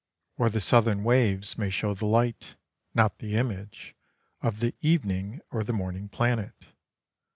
Or the southern waves may show the light not the image of the evening or the morning planet.